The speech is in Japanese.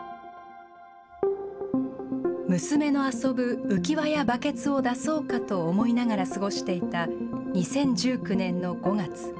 娘の遊ぶ浮き輪やバケツを出そうかと思いながら過ごしていた２０１９年の５月。